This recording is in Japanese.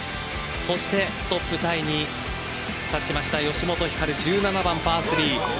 そしてトップタイに立ちました、吉本ひかる１７番、パー